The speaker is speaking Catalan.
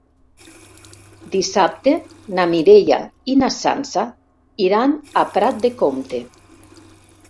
Dissabte na Mireia i na Sança iran a Prat de Comte.